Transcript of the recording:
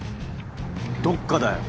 どっかだよ。